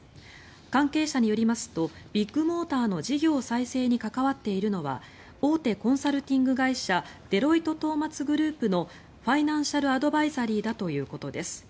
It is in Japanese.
関係者によりますとビッグモーターの事業再生に関わっているのは大手コンサルティング会社デロイトトーマツグループのファイナンシャルアドバイザリーだということです。